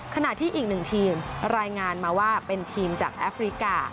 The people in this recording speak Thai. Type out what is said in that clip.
ขณะที่อีกหนึ่งทีมรายงานมาว่าเป็นทีมจากแอฟริกา